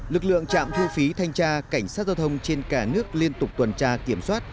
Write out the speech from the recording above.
lực lượng trạm thu phí thanh tra cảnh sát giao thông trên cả nước liên tục tuần tra kiểm soát